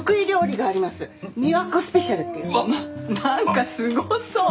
なんかすごそう。